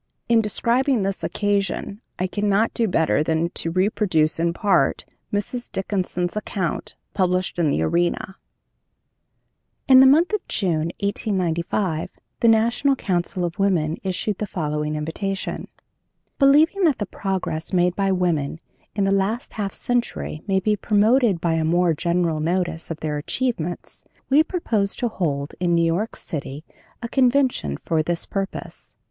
In describing this occasion I cannot do better than to reproduce, in part, Mrs. Dickinson's account, published in The Arena: "In the month of June, 1895, the National Council of Women issued the following invitation: "'Believing that the progress made by women in the last half century may be promoted by a more general notice of their achievements, we propose to hold, in New York city, a convention for this purpose.